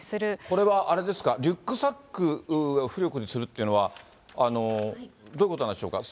これはあれですか、リュックサックを浮力にするっていうのは、どういうことなんでしょうか。